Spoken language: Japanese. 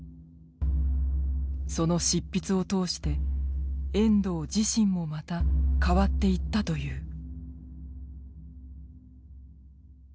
その執筆を通して遠藤自身もまた変わっていったという。